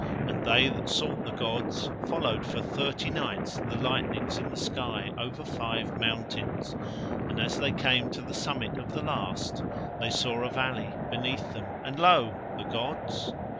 And they that sought the gods followed for thirty nights the lightnings in the sky over five mountains, and as they came to the summit of the last, they saw a valley beneath them, and lo! the gods.